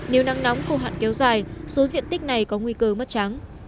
nếu nắng nóng khô hạn kéo dài số diện tích này có nguy cơ mất trắng